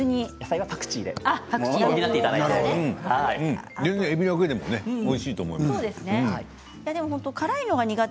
野菜はパクチーで補って全然えびだけでもおいしいと思います。